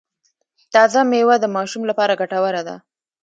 تازه میوه د ماشوم لپاره ګټوره ده۔